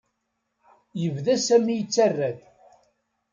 Yebda Sami yettarra-d.